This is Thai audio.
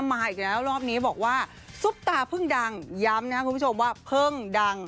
มาอีกแล้วรอบนี้บอกว่าซุปตาเพิ่งดังย้ำนะครับคุณผู้ชมว่าเพิ่งดัง